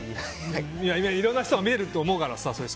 今、いろんな人が見えていると思うからさ。